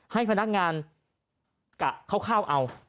ให้พนักงานกะเข้าเอา